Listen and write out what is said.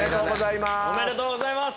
おめでとうございまーす！